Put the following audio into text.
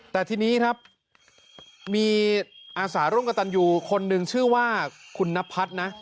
แต่ทีนี้ครับมีอาสาร่วมกับตันยูคนหนึ่งชื่อว่าคุณนพัฒน์นะ